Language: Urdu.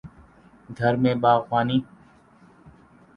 گھر میں باغبانی